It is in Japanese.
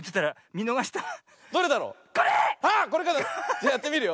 じゃやってみるよ。